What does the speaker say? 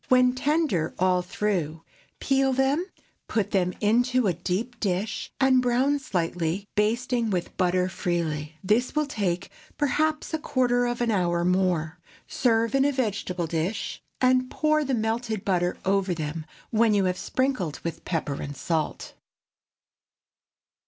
When tender all through, peel them, put them into a deep dish, and brown slightly, basting with butter freely. This will take perhaps a quarter of an hour more. Serve in a vegetable dish, and pour the melted butter over them when you have sprinkled with pepper and salt.